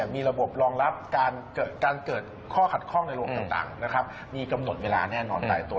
มีกำหนดเวลาแน่นอนใต้ตัว